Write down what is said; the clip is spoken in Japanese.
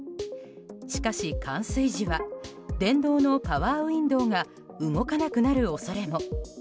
しかし、冠水時は電動のパワーウィンドーが動かなくなる恐れも。